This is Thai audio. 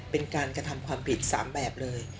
เป็นการกระทำความผิด๓แบบเลย